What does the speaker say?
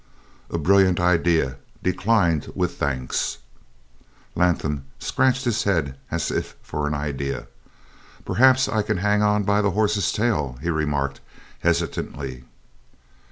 "A brilliant idea, declined with thanks." Latham scratched his head as if for an idea. "Perhaps I can hang on by the horse's tail," he remarked, hesitatingly.